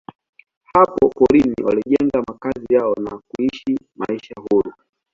Hapa porini walijenga makazi yao na kuishi maisha huru.